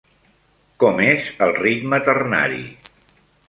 Com és el ritme ternari?